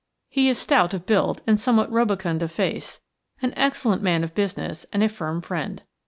He is stout of build and somewhat rubicund of face, an excellent man of business and a firm friend.